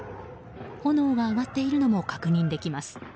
炎が上がっているのも確認できます。